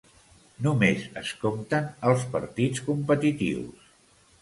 Només es compten els partits competitius.